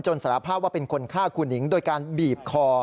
สารภาพว่าเป็นคนฆ่าครูหนิงโดยการบีบคอ